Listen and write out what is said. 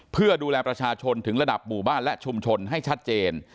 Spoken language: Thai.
เพื่อดูแลประชาชนถึงระดับหมู่บ้านและชุมชนให้ชัดเจน